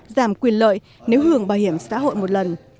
giảm quyền lợi nếu hưởng bảo hiểm xã hội một lần